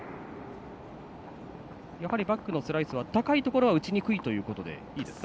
やはりバックのスライスは高いところは打ちにくいということでいいですか。